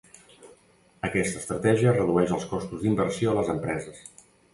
Aquesta estratègia redueix els costos d'inversió a les empreses.